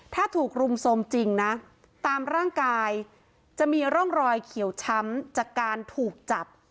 ถ้าถูกรุมโทรมจริงนะตามร่างกายจะมีร่องรอยเขียวช้ำจากการถูกจับ